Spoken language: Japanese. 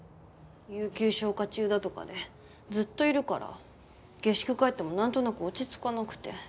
有休消化中だとかでずっといるから下宿帰ってもなんとなく落ち着かなくて。